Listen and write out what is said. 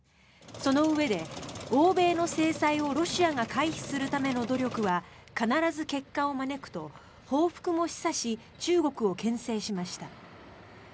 そのうえで欧米の制裁をロシアが回避するための努力は必ず結果を招くと報復も示唆し中国をけん制しました。